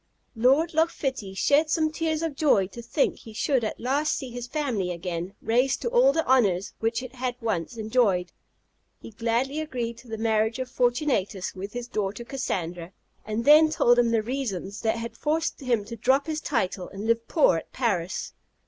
Lord Loch Fitty shed some tears of joy to think he should at last see his family again raised to all the honours which it had once enjoyed. He gladly agreed to the marriage of Fortunatus with his daughter Cassandra, and then told him the reasons that had forced him to drop his title and live poor at Paris.